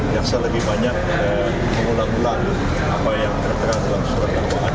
jaksa lebih banyak mengulang ulang apa yang tertera dalam surat dakwaan